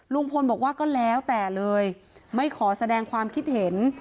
ลุงพลบอกว่าก็แล้วแต่เลยไม่ขอแสดงความคิดเห็น